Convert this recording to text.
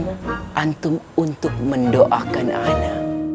dan antum untuk mendoakan ana